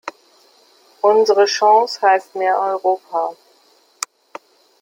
Unsere Chance heißt mehr Europa.